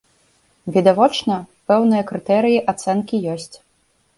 Відавочна, пэўныя крытэрыі ацэнкі ёсць.